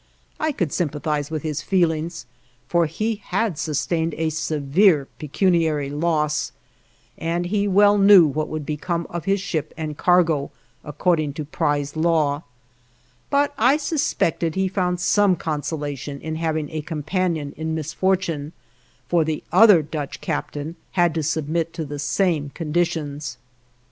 I could sympathize with his feelings, for he had sustained a severe pecuniary loss, and he well knew what would become of his ship and cargo according to prize law, but I suspected he found some consolation in having a companion in misfortune, for the other Dutch captain had to submit to the same conditions.